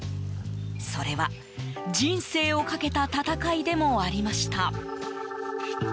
それは人生をかけた闘いでもありました。